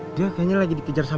udah kalau capek masuk ke dalam